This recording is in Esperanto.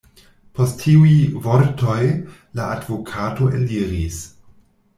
Post tiuj vortoj la advokato eliris.